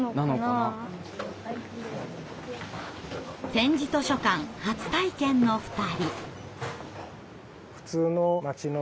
点字図書館初体験の２人。